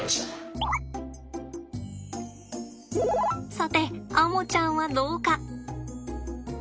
さてアモちゃんはどうか。